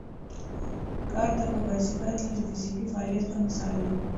کارته پر بایسکل تلل د فزیکي فعالیت ښه مثال دی.